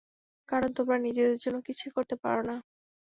কারণ তোমরা নিজেদের জন্য কিছুই করতে পারো না।